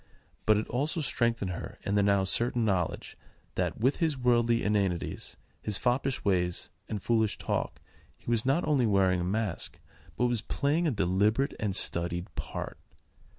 But it also strengthened her in the now certain knowledge that, with his worldly inanities, his foppish ways, and foolish talk, he was not only wearing a mask, but was playing a deliberate and studied part.